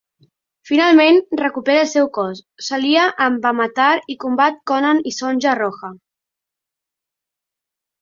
Finalment recupera el seu cos, s'alia amb Vammatar i combat Conan i Sonja Roja.